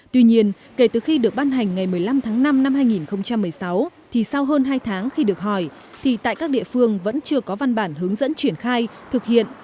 tuy nhiên kể từ khi được ban hành ngày một mươi năm tháng năm năm hai nghìn một mươi sáu thì sau hơn hai tháng khi được hỏi thì tại các địa phương vẫn chưa có văn bản hướng dẫn triển khai thực hiện